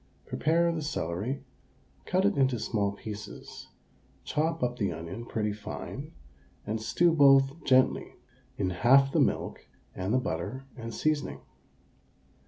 Prepare the celery, cut it into small pieces, chop up the onion pretty fine, and stew both gently in half the milk and the butter and seasoning.